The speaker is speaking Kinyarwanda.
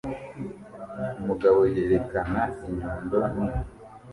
Umugabo yerekana inyundo nini